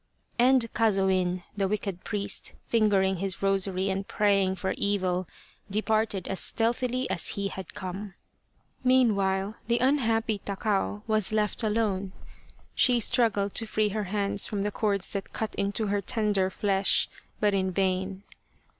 And Kazoin, the wicked priest, fingering his rosary and praying for evil, departed as stealthily as he had come. D 49 The Quest of the Sword Meanwhile the unhappy Takao was left alone. She struggled to free her hands from the cords that cut into her tender flesh, but in vain.